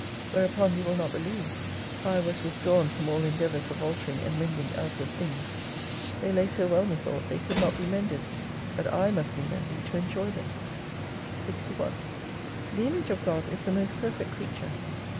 Whereupon you will not believe, how I was withdrawn from all endeavours of altering and mending outward things. They lay so well, methought, they could not be mended : but I must be mended to enjoy them. 61 The Image of God is the most perfect creature.